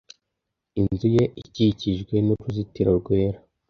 Inzu ye ikikijwe n'uruzitiro rwera.